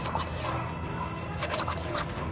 すぐそこにいます。